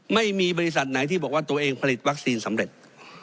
ไม่มีบริษัทไหนที่บอกว่าตัวเองผลิตวัคซีนสำเร็จ